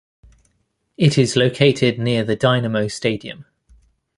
It is located near the Dinamo Stadium.